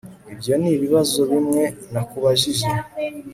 Ibyo nibibazo bimwe nakubajije